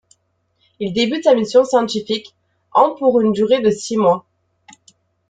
Il débute sa mission scientifique en pour une durée de six mois.